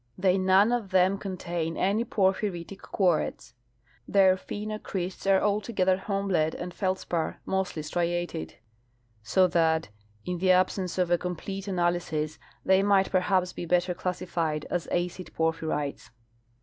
They none of them con tain any porphyritic quartz. Their phenocrysts are altogether hornblende and feldspar (mostly striated) ; so that, in the ab senceof a comjDlete analysis, they might perhaps be better classi fied as acid porphyrites.